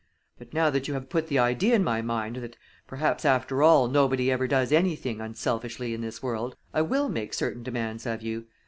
But now that you have put the idea in my mind that, perhaps, after all, nobody ever does anything unselfishly in this world, I will make certain demands of you.